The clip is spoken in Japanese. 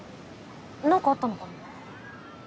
何かあったのかな？